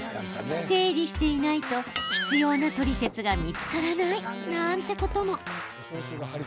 整理していないと必要なトリセツが見つからないなんてことも。